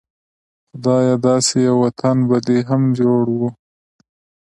خدايه داسې يو وطن به دې هم جوړ و